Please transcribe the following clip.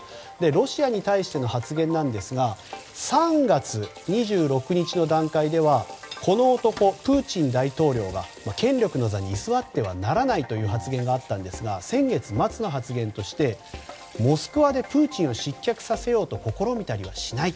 ロシアに対しての発言ですが３月２６日の段階ではこの男プーチン大統領が権力の座に居座ってはならないという発言があったんですが先月末の発言としてモスクワでプーチンを失脚させようと試みたりはしない。